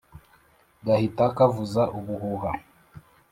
gahita kavuza ubuhuha